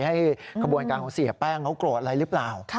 ขบวนการของเสียแป้งเขาโกรธอะไรหรือเปล่า